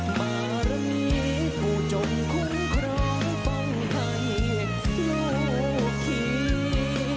มารมีผู้จงคุ้มครองต้องไพ่ลูกที